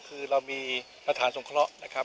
คือเรามีประธานสงเคราะห์นะครับ